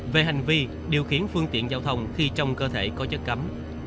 về hành vi điều khiển phương tiện giao thông khi trong cơ thể có chất cấm